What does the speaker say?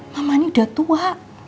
mamanya udah tua